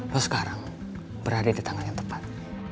bahwa sekarang berada di tangan yang tepat